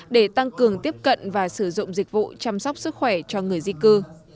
để tăng cường tiếp cận và sử dụng dịch vụ chăm sóc sức khỏe cho người di cư